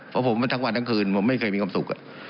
เพราะผมมาทั้งวันทั้งคืนผมไม่เคยมีความสุข